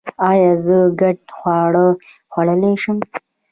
ایا زه ګډ خواړه خوړلی شم؟